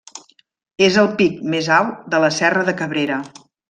És el pic més alt de la serra de Cabrera.